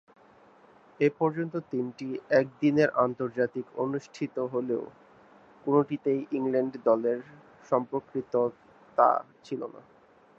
এ পর্যন্ত তিনটি একদিনের আন্তর্জাতিক অনুষ্ঠিত হলেও কোনটিতেই ইংল্যান্ড দলের সম্পৃক্ততা ছিল না।